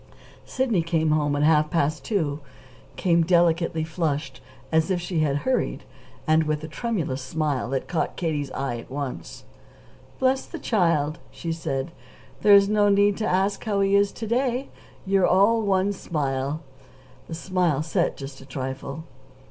Sidney came home at half past two came delicately flushed, as if she had hurried, and with a tremulous smile that caught Katie's eye at once. "Bless the child!" she said. "There's no need to ask how he is to day. You're all one smile." The smile set just a trifle.